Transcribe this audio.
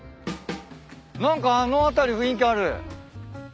何かあの辺り雰囲気ある。